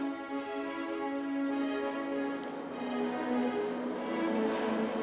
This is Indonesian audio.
kita berdua begitu akrab